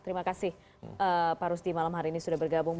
terima kasih pak rusti malam hari ini sudah bergabung